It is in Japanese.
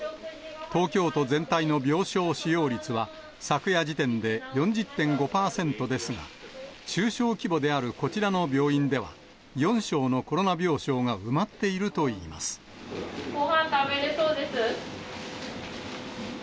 東京と全体の病床使用率は、昨夜時点で４０．５％ですが、中小規模であるこちらの病院では、４床のコロナ病床が埋まっているごはん食べれそうです？